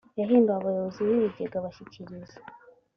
yahinduwe abayobozi b ibigega bashyikiriza